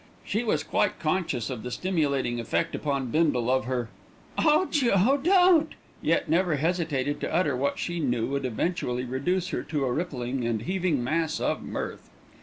She was quite conscious of the stimulating effect upon Bindle of her "Oh, Joe, don't!" yet never hesitated to utter what she knew would eventually reduce her to a rippling and heaving mass of mirth.